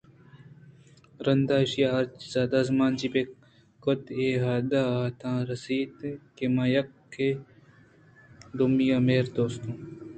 رندا اِشاں ہرچیزءَ دزمانجنی بنا کُتءُاے حد ّءَ تاں رست اَنت کہ مئے یکے دومی مہر ءُدوستی